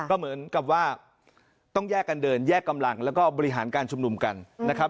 ก็เหมือนกับว่าต้องแยกกันเดินแยกกำลังแล้วก็บริหารการชุมนุมกันนะครับ